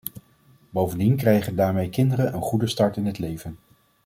Bovendien krijgen daarmee kinderen een goede start in het leven.